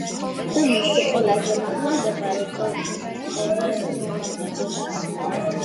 და მისი ყველაზე მაღლა მდებარე ტოტების მომარაგება.